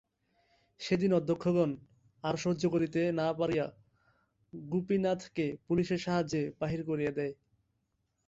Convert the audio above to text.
সেদিন অধ্যক্ষগণ আর সহ্য করিতে না পারিয়া গোপীনাথকে পুলিসের সাহায্যে বাহির করিয়া দেয়।